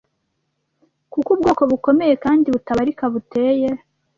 Kuko ubwoko bukomeye kandi butabarika buteye